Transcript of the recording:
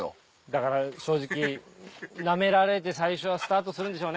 だから正直ナメられて最初はスタートするんでしょうね。